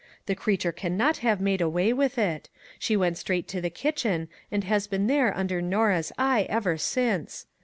The creature can not have made away with it. She went straight to the kitchen, and has been there under Norah's eye ever since.